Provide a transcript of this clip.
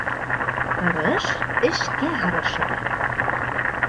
Тырыш эшкә һырышыр